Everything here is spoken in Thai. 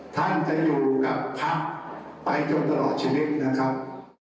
ท่านจะอยู่กับพักไปจนตลอดชีวิตนะครับ